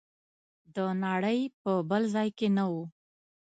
د نړۍ په بل ځای کې نه و.